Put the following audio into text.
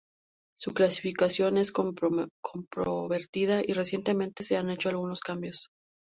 Su clasificación es controvertida y recientemente se han hecho algunos cambios.